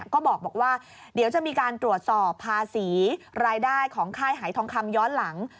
ก็บอกว่าเดี๋ยวจะมีการตรวจสอบภาษีรายได้ของค่ายหายทองคำย้อนหลัง